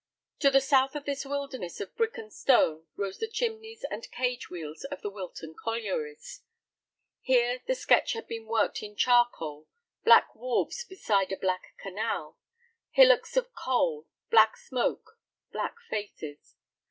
To the south of this wilderness of brick and stone rose the chimneys and cage wheels of the Wilton collieries. Here the sketch had been worked in charcoal, black wharves beside a black canal, hillocks of coal, black smoke, black faces.